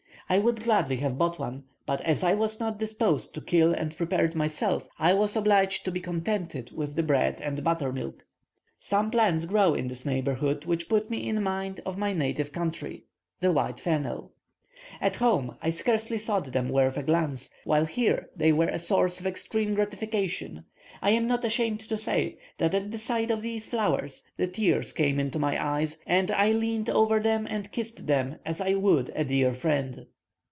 I would gladly have bought one, but as I was not disposed to kill and prepare it myself, I was obliged to be contented with the bread and buttermilk. Some plants grow in this neighbourhood which put me in mind of my native country the wild fennel. At home I scarcely thought them worth a glance, while here they were a source of extreme gratification. I am not ashamed to say, that at the sight of these flowers the tears came into my eyes, and I leant over them and kissed them as I would a dear friend.